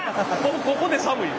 もうここで寒い。